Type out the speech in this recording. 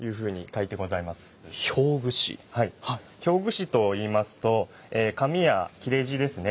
表具師といいますと紙や裂地ですね